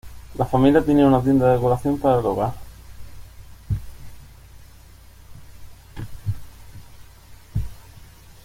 La familia tenía una tienda de decoración para el hogar.